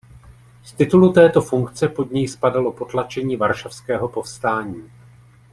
Z titulu této funkce pod něj spadalo potlačení varšavského povstání.